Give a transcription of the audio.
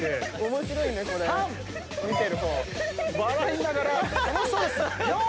３！笑いながら楽しそうです。